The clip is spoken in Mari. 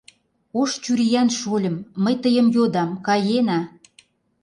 — Ош чуриян шольым, мый тыйым йодам, каена!